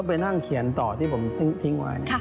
ไปนั่งเขียนต่อที่ผมทิ้งไว้